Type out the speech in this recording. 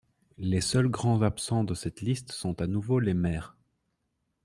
Les seuls grands absents de cette liste sont à nouveau les maires.